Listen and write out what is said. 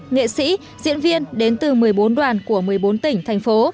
nghệ sĩ diễn viên đến từ một mươi bốn đoàn của một mươi bốn tỉnh thành phố